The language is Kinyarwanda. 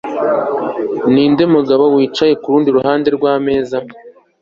ninde mugabo wicaye kurundi ruhande rwameza